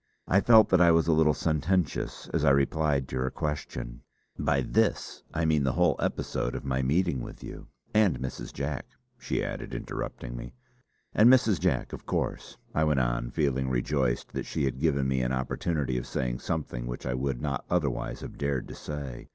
I felt that I was a little sententious as I replied to her question: "By 'this' I mean the whole episode of my meeting with you." "And Mrs. Jack," she added, interrupting me. "And Mrs. Jack, of course," I went on, feeling rejoiced that she had given me an opportunity of saying something which I would not otherwise have dared to say.